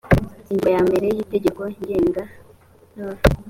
ingingo ya mbere y itegeko ngenga n ol